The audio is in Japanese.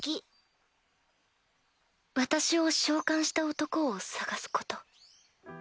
私を召喚した男を捜すこと。